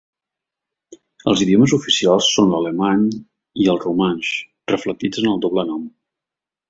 Els idiomes oficials són l'alemany i el romanx, reflectits en el doble nom.